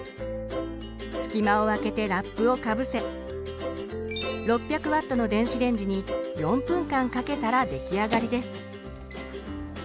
隙間をあけてラップをかぶせ６００Ｗの電子レンジに４分間かけたら出来上がりです。